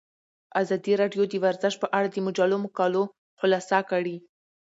ازادي راډیو د ورزش په اړه د مجلو مقالو خلاصه کړې.